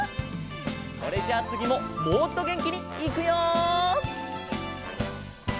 それじゃあつぎももっとげんきにいくよ。